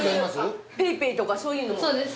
ＰａｙＰａｙとかそういうのも。